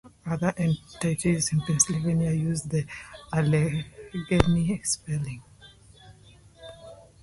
Other entities in Pennsylvania use the "Allegheny" spelling.